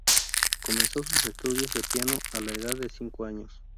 Comenzó sus estudios de piano a la edad de cinco años.